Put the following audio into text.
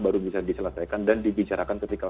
baru bisa diselesaikan dan dibicarakan ketika